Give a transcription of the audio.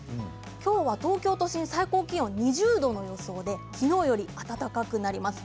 今日は東京都心最高気温２０度の予想で昨日より暖かくなります。